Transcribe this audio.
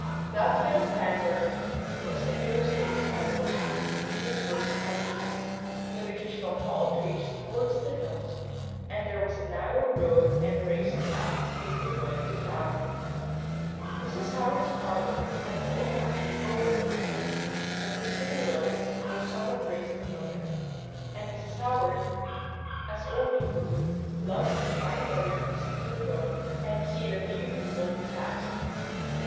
That side of Pangbourne was in those days almost a continued wood coppice, with occasional tall trees towards the hills, and there was a narrow road and raised path through the wood to the town. "Mrs. Howard's parlour had an old fashioned bow window in it, looking to the road, though somewhat raised above it; and Mrs. Howard, as old people do, loved in fine weather to sit in the bow, and see the few people who passed.